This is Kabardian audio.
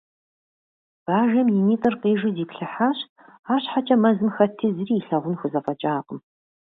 Бажэм и нитӀыр къижу зиплъыхьащ. АрщхьэкӀэ мэзым хэтти, зыри илъагъун хузэфӀэкӀакъым.